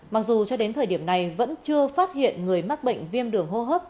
mặc dù cho đến thời điểm này vẫn chưa phát hiện người mắc bệnh viêm đường hô hấp